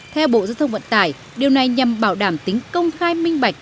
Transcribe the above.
theo bộ dân vận tải điều này nhằm bảo đảm tính công khai minh bạch